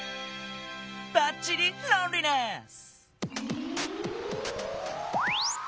ばっちりロンリネス！